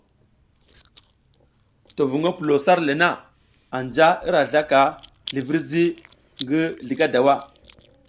To vuŋ pulo sar le na anja i ra zlaka zlivirzi ngi zlǝga dawa.